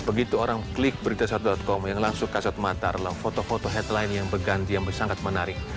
begitu orang klik berita saat com yang langsung kasat mata dalam foto foto headline yang berganti yang sangat menarik